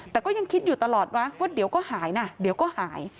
แต่ก็ยังคิดอยู่ตลอดว่าเดี๋ยวก็หายนะเดี๋ยวก็หาย